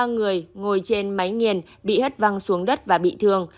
ba người ngồi trên máy nghiền bị hất văng xuống đất và bị thương